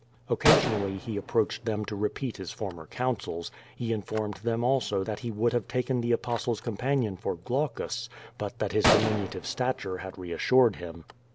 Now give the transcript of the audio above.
Occasionally he approached them to repeat his former counsels. He informed them also that he would have taken the Apostle's companion for Glaucus, but that his diminutive stature had reassured him.